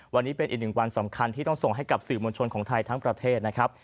วันนี้เป็นอีก๑วันสำคัญที่เราส่งให้กับสื่อมรชนทั้งประเทศนะคะ